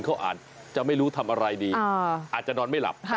เขาอาจจะไม่รู้ทำอะไรดีอาจจะนอนไม่หลับ